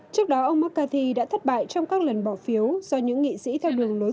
trước đó ông mccarthy đã thất bại trong các lần bỏ phiếu do những nghị sĩ theo đường lối